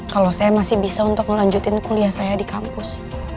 kalau saya masih bisa untuk melanjutkan kuliah saya di kampus